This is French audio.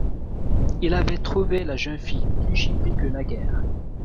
Il avait trouvé la jeune fille plus chipie que naguère.